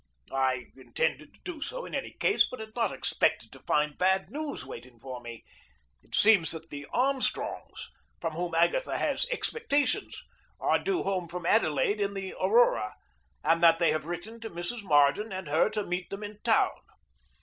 I intended to do so in any case, but had not excepted to find bad news waiting for me. It seems that the Armstrongs, from whom Agatha has expectations, are due home from Adelaide in the Aurora, and that they have written to Mrs. Marden and her to meet them in town.